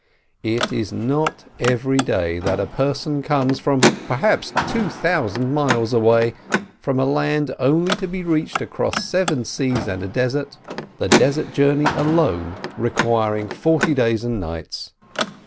It is not every day that a person comes from perhaps two thousand miles away, from a land only to be reached across seven seas and a desert, the desert journey alone requiring forty days and nights.